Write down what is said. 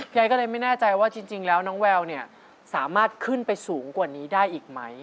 ยายก็เลยไม่แน่ใจว่าจริงแล้วน้องแววเนี่ยสามารถขึ้นไปสูงกว่านี้ได้อีกไหม